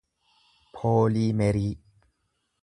pooliimerii